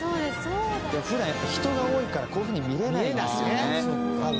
ウエンツ：普段、人が多いからこういう風に見れないんですよね。